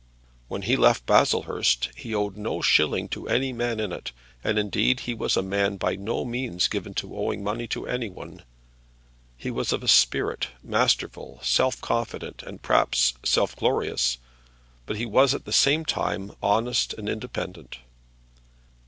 When he left Baslehurst he owed no shilling to any man in it; and, indeed, he was a man by no means given to owing money to any one. He was of a spirit masterful, self confident, and perhaps self glorious; but he was at the same time honest and independent.